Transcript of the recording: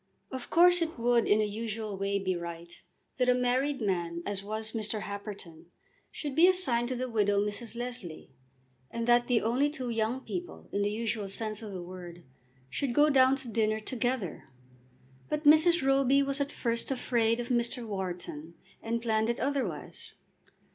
Of course it would in a usual way be right that a married man as was Mr. Happerton should be assigned to the widow Mrs. Leslie, and that the only two "young" people, in the usual sense of the word, should go down to dinner together. But Mrs. Roby was at first afraid of Mr. Wharton, and planned it otherwise.